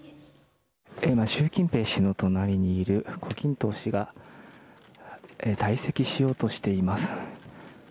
今、習近平氏の隣にいる胡錦濤氏が退席しようとしています。